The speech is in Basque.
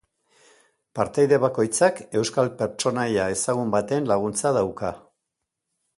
Partaide bakoitzak euskal pertsonaia ezagun baten laguntza dauka.